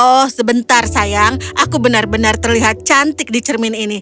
oh sebentar sayang aku benar benar terlihat cantik di cermin ini